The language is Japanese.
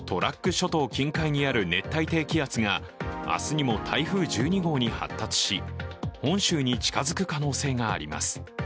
諸島近海にある熱帯低気圧が明日にも台風１２号に発達し本州に近づく可能性があります。